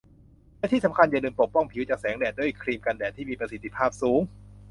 ที่สำคัญอย่าลืมปกป้องผิวจากแสงแดดด้วยครีมกันแดดที่มีประสิทธิภาพสูง